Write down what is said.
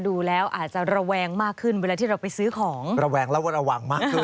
ดูแล้วอาจจะระแวงมากขึ้นเวลาที่เราไปซื้อของระแวงแล้วก็ระวังมากขึ้น